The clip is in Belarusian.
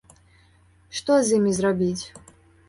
Што з імі зрабіць?